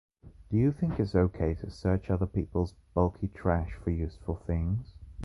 Do you think it's okay to search other people's bulky trash for useful things?